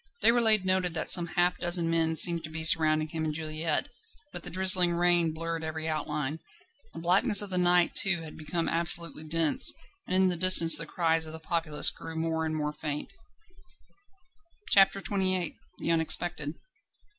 Déroulède noted that some half dozen men seemed to be surrounding him and Juliette, but the drizzling rain blurred every outline. The blackness of the night too had become absolutely dense, and in the distance the cries of the populace grew more and more faint. CHAPTER XXVIII The unexpected.